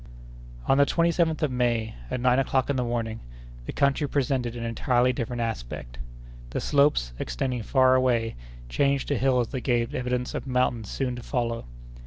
On the 27th of May, at nine o'clock in the morning, the country presented an entirely different aspect. The slopes, extending far away, changed to hills that gave evidence of mountains soon to follow.